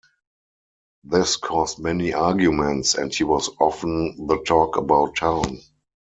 This caused many arguments and he was often the talk about town.